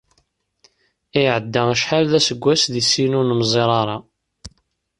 Iɛedda acḥal d aseggas di sin ur nemẓir ara.